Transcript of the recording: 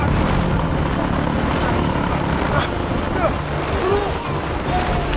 dia berada di luar sana